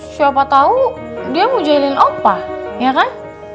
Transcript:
siapa tau dia mau jahilin opa ya kan